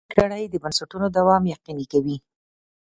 سپېڅلې کړۍ د بنسټونو دوام یقیني کوي.